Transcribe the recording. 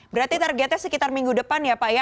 berarti targetnya sekitar minggu depan ya pak ya